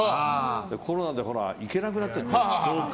コロナで行けなくなっちゃったじゃない。